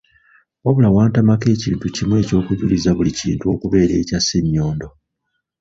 Wabula wantamako ekintu kimu eky’okujuliza buli kintu okubeera ekya Ssenyondo.